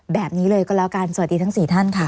แบบนี้เลยก็แล้วกันสวัสดีทั้ง๔ท่านค่ะ